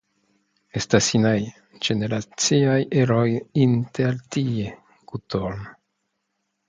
Estas inaj generaciaj eroj intertie, Gutorm.